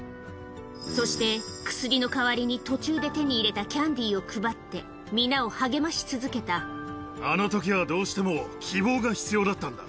そして、薬の代わりに途中で手に入れたキャンディーを配って、あのときはどうしても、希望が必要だったんだ。